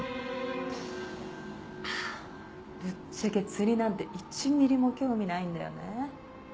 ぶっちゃけ釣りなんて１ｍｍも興味ないんだよねぇ。